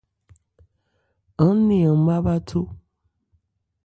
Aán nɛn an má bháthó.